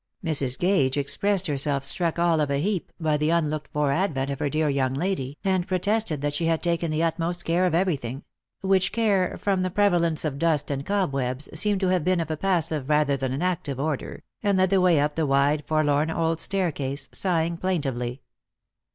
Mrs. Gage expressed herself struck all of a heap by the unlooked for advent of her dear young lady, and protested that she had taken the utmost care of everything — which care, from the prevalence of dust and cobwebs, seemed to have been of a passive rather than an active order — and led the way up the wide forlorn old staircase, sighing plaintively.